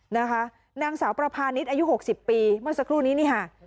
นางสาวประพาณิชย์อายุ๖๐ปีเมื่อสักครู่นี้นี่ค่ะ